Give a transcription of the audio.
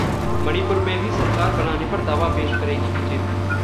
मणिपुर में भी सरकार बनाने पर दावा पेश करेगी बीजेपी